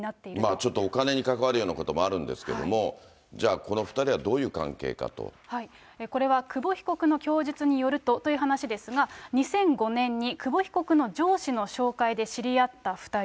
ちょっとお金に関わるようなこともあるんですけれども、じゃあ、これは久保被告の供述によるとという話ですが、２００５年に久保被告の上司の紹介で知り合った２人。